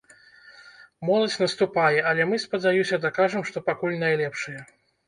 Моладзь наступае, але мы, спадзяюся, дакажам, што пакуль найлепшыя!